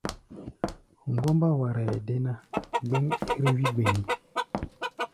Ŋgɔ́mbá waraʼɛ dé ná, gbɛ́ŋ ɛ́r-wí gbɛŋí.